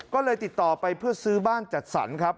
ก็เลยติดต่อไปเพื่อซื้อบ้านจัดสรรครับ